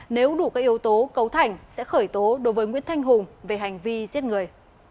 nếu đủ các yếu tố cấu thành sẽ khởi tố đối với nguyễn thanh hùng về hành vi giết người